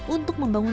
untuk membangun desa